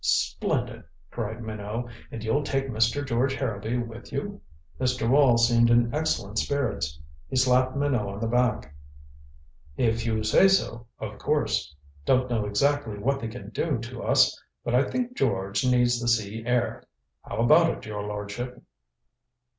"Splendid," cried Minot. "And you'll take Mr. George Harrowby with you?" Mr. Wall seemed in excellent spirits. He slapped Minot on the back. "If you say so, of course. Don't know exactly what they can do to us but I think George needs the sea air. How about it, your lordship?"